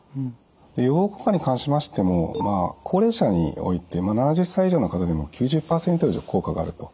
で予防効果に関しましてもまあ高齢者において７０歳以上の方でも９０％以上効果があると。